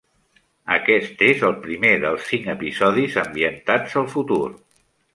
Aquest és el primer dels cinc episodis ambientats al futur.